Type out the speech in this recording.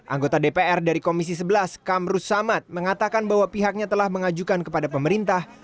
anggota dpr dari komisi sebelas kamrus samad mengatakan bahwa pihaknya telah mengajukan kepada pemerintah